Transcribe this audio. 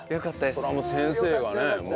それはもう先生がねもう。